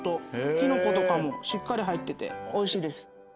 キノコとかもしっかり入ってておいしいです。